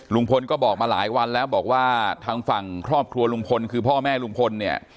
ลุงพลก็บอกมาหลายวันแล้วบอกว่าทางฝั่งครอบครัวลุงพลคือพ่อแม่ลุงพลเนี่ย